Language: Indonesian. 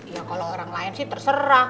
ya kalau orang lain sih terserah